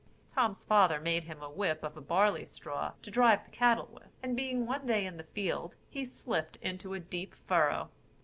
Tom's father made him a whip of a barley straw to drive the cattle with, and being one day in the field, he slipped into a deep furrow.